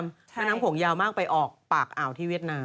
แม่น้ำโขงยาวมากไปออกปากอ่าวที่เวียดนาม